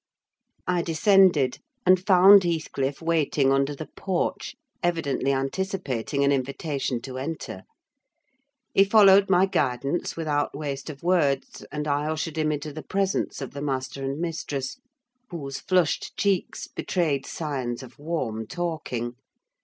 I descended, and found Heathcliff waiting under the porch, evidently anticipating an invitation to enter. He followed my guidance without waste of words, and I ushered him into the presence of the master and mistress, whose flushed cheeks betrayed signs of warm talking.